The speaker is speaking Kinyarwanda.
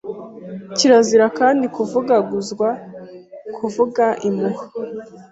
Kirazira kandi kuvugaguzwa, kuvuga impuha